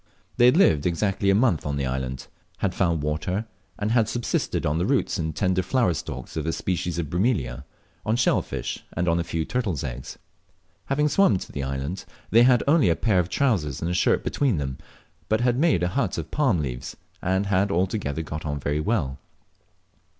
They had lived exactly a month on the island had found water, and had subsisted on the roots and tender flower stalks of a species of Bromelia, on shell fish and on a few turtles' eggs. Having swum to the island, they had only a pair of trousers and a shirt between them, but had made a hut of palm leaves, and had altogether got on very well.